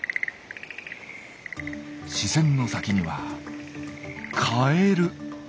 視線の先にはカエル。